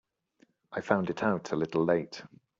I found it out a little late.